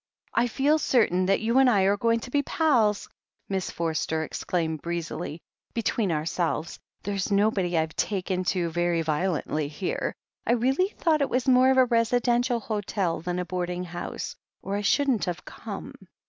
"I feel certain that you and I are going to be pals," Miss Forster exclaimed breezily. "Between ourselves, there's nobody Fve taken to very violently here. I really thought it was more of a residential hotel than a boarding house, or I shouldn't have come.